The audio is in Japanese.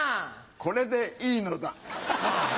これでいいのだ。